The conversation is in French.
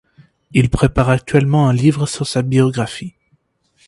Il prépare actuellement un livre sur sa biographie.